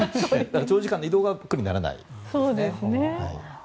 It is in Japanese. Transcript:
長時間の移動が苦にならないですね。